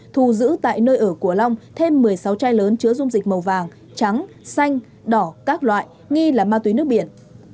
thu giữ tại nơi ở của long thêm một mươi sáu chai lớn chứa dung dịch màu vàng trắng xanh đỏ các loại nghi là ma túy nước biển